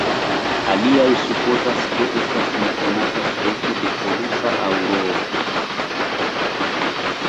Aliaj supozas, ke estas nekonata speco de polusa aŭroro.